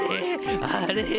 あれ？